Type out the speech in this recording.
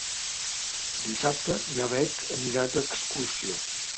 Dissabte na Beth anirà d'excursió.